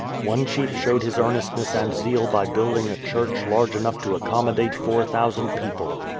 One chief showed his earnestness and zeal by building a church large enough to accommodate four thousand people.